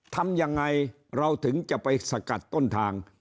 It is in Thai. ทำยังไงเราถึงจะไปสกัดต้นทาง